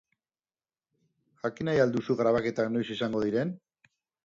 Jakin nahi al duzu grabaketak noiz izango diren?